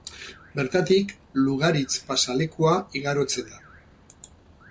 Bertatik Lugaritz pasealekua igarotzen da.